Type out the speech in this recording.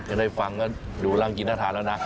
อย่าได้ฟังดูรังกินหน้าทานแล้วนะ